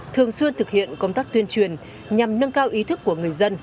thường xuyên thực hiện công tác tuyên truyền nhằm nâng cao ý thức của người dân